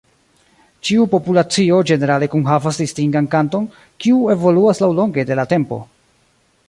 Ĉiu populacio ĝenerale kunhavas distingan kanton, kiu evoluas laŭlonge de la tempo.